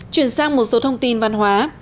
chuyển sang một số thông tin văn hóa